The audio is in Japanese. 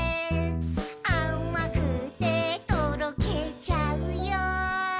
「あまくてとろけちゃうよ」